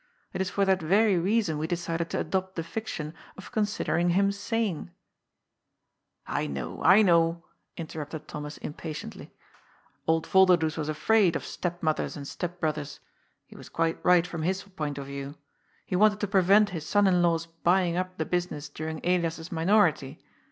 It is for that very rea son we decided to adopt the fiction of considering him sane." " I know — I know," interrupted Thomas impatiently. 01d Yolderdoes was afraid of step mothers and step brothers. He was quite right from his point of view. He wanted to prevent his son in law's buying up the business during Elias's minority.